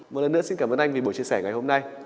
một lần nữa xin cảm ơn anh vì buổi chia sẻ ngày hôm nay